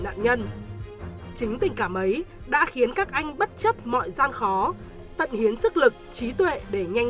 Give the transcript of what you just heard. nạn nhân chính tình cảm ấy đã khiến các anh bất chấp mọi gian khó tận hiến sức lực trí tuệ để nhanh